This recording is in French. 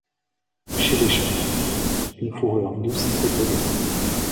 Chez les chaton, une fourrure douce est tolérée.